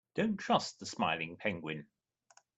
Don't trust the smiling penguin.